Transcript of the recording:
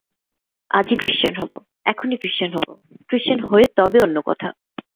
আজই ক্রিশ্চান হব, এখনই ক্রিশ্চান হব, ক্রিশ্চান হয়ে তবে অন্য কথা।